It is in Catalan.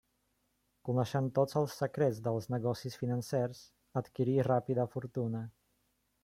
Coneixent tots els secrets dels negocis financers, adquirí ràpida fortuna.